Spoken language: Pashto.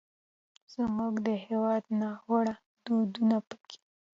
زموږ د هېواد ناوړه دودونه پکې